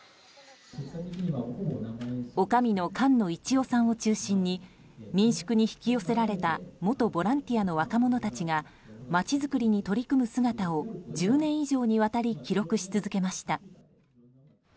おかみの菅野一代さんを中心に民宿に引き寄せられた元ボランティアの若者たちが街づくりに取り組む姿を１０年以上に渡り記録し続けました。